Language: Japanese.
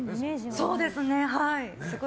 そうですね、はい。